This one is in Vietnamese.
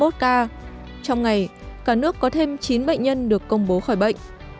trong ngày cả nước có thêm chín bệnh nhân được công bố khỏi bệnh